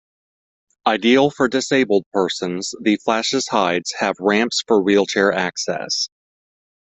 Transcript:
Ideal for disabled persons, the Flash's hides have ramps for wheelchair access.